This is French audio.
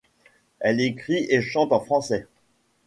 Elle écrit et chante en français.